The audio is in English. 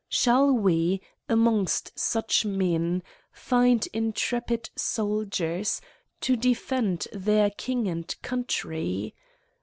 Shall we^ fimongst such men, find intrepid soldiers, to defend their king and country